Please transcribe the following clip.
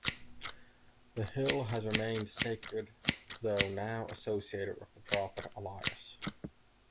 The hill has remained sacred, though now associated with the prophet Elias.